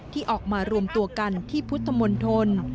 ที่ออกมารวมตัวกันที่พุทธมนตร